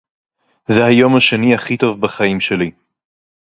זה היום השני הכי טוב בחיים שלי.